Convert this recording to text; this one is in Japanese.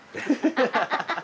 ハハハハ。